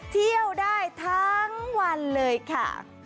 เที่ยวได้ทั้งวันเลยค่ะ